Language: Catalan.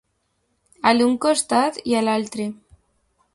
A l'un costat i a l'altre.